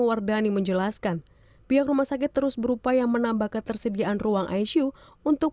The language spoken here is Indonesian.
wardani menjelaskan pihak rumah sakit terus berupaya menambah ketersediaan ruang icu untuk